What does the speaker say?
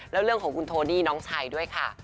แล้วเรื่องของคุณโทนี่น้องชายด้วยค่ะ